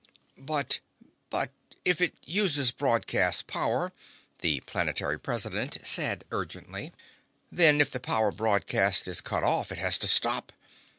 "But—but if it uses broadcast power," the planetary president said urgently, "then if the power broadcast is cut off it has to stop!